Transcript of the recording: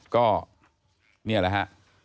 ก็นี่แหละฮะ